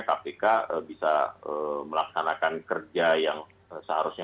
kpk bisa melaksanakan kerja yang seharusnya